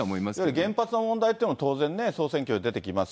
原発の問題というのは、当然ね、総選挙で出てきます。